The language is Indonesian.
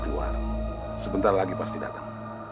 uang sepetah waktu diuangkan